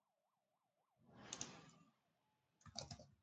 The building is in the Greenwich Village Historic District.